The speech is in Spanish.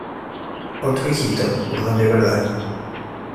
otro hijito. uno de verdad .